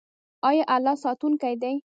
آیا الله ساتونکی دی؟